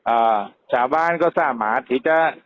อ่าชาวบ้านก็ทราบหมาที่จะ